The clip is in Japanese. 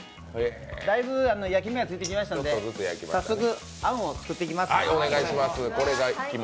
だいぶ焼き目がついてきましたので早速あんを作っていきます。